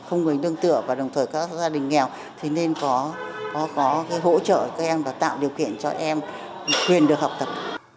không người nương tựa và đồng thời các gia đình nghèo thì nên có hỗ trợ các em và tạo điều kiện cho em khuyên được học tập